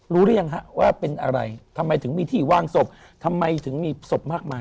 หรือยังฮะว่าเป็นอะไรทำไมถึงมีที่วางศพทำไมถึงมีศพมากมาย